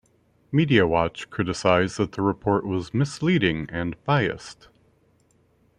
Media Watch criticized that the report was "misleading" and "biased.